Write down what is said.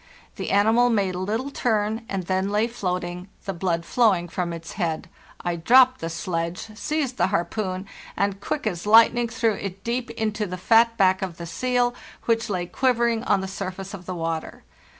The animal made a little turn, and then lay floating, the blood flowing from its head. I dropped the sledge, seized the harpoon, and, quick as lightning, threw it deep into the fat back of the seal, which lay quivering on the surface of the water.